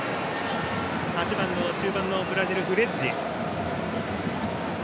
８番の中盤のブラジルのフレッジ。